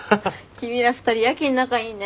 君ら２人やけに仲いいね。